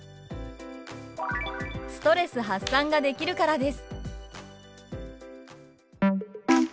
「ストレス発散ができるからです」。